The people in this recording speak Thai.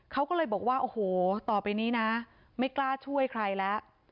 เขาก็เลยบอกว่าโอ้โหต่อไปนี้นะไม่กล้าช่วยใครแล้ว